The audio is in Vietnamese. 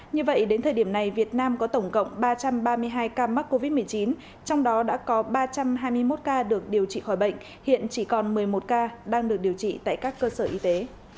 như vậy đến thời điểm này việt nam có tổng cộng ba trăm ba mươi hai ca mắc covid một mươi chín trong đó đã có ba trăm hai mươi một ca được điều trị khỏi bệnh hiện chỉ còn một mươi một ca đang được điều trị tại các cơ sở y tế